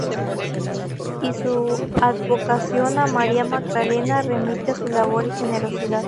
Y su advocación a María Magdalena remite a su labor y generosidad.